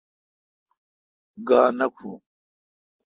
گاؘ نہ کھون۔